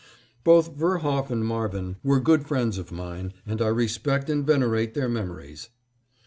Both Verhoeff and Marvin were good friends of mine, and I respect and venerate their memories.